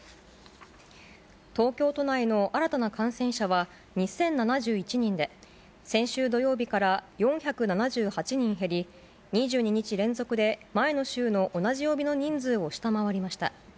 東京都内の新たな感染者は２０７１人で、先週土曜日から４７８人減り、２２日連続で前の週の同じ曜日の人数を下回りました。